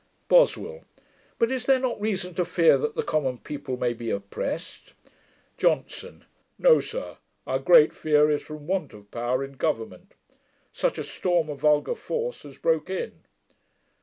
BOSWELL. 'But is there not reason to fear that the common people may be oppressed?' JOHNSON. 'No, sir. Our great fear is from want of power in government. Such a storm of vulgar force has broke in.'